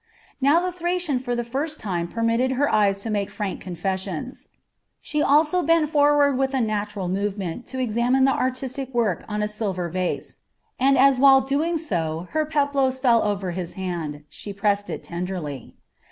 Now the Thracian for the first time permitted her eyes to make frank confessions. She also bent forward with a natural movement to examine the artistic work on a silver vase, and as while doing so her peplos fell over his hand, she pressed it tenderly.